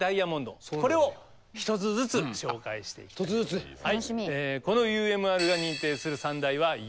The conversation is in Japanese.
これを１つずつ紹介していきたいと思います。